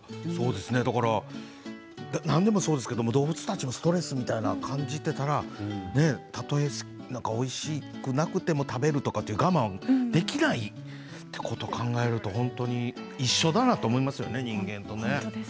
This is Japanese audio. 何でもそうですけど動物たちもストレスみたいなものを感じていたらたとえ、おいしくなくても食べるというか我慢できないっていうことを考えると一緒だなって思いますね人間とね。